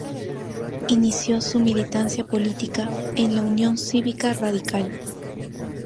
Inició su militancia política en la Unión Cívica Radical.